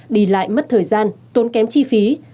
đi lại mất thời gian tốn kém chi phí